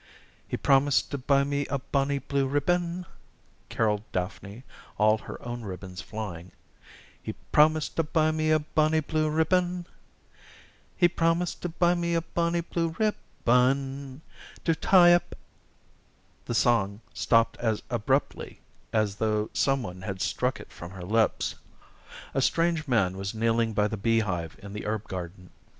"He promised to buy me a bonnie blue ribbon," carolled Daphne, all her own ribbons flying, "He promised to buy me a bonnie blue ribbon, He promised to buy me a bonnie blue ribbon To tie up " The song stopped as abruptly as though some one had struck it from her lips. A strange man was kneeling by the beehive in the herb garden.